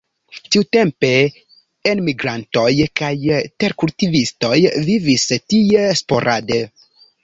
Tiutempe enmigrantoj kaj terkultivistoj vivis tie sporade.